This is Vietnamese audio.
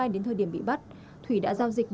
đến thời điểm bị bắt thủy đã giao dịch